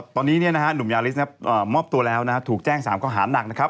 ตอนนี้หนุ่มยาริสมอบตัวแล้วถูกแจ้ง๓ข้อหาหนักนะครับ